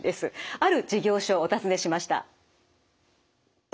ある事業所をお訪ねしました。